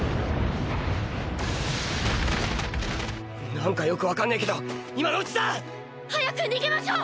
なんかよくわかんねぇけど今のうちだ！早く逃げましょう！